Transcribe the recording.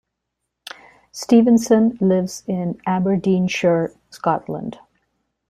Stevenson lives in Aberdeenshire, Scotland.